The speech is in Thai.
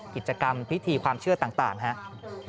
กิจกรรมพิธีความเชื่อต่างครับ